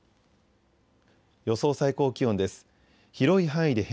予想最高気温です。